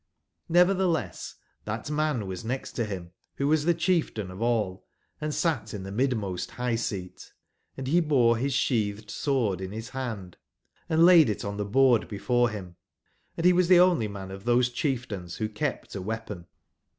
JSever theless that man was next to him who was the chief tain of all and sat in themidmost high/seat ; and he bore his sheathed sword in his hand and laid it on the board before him, and he was the only man of those chieftains who kept a weapon.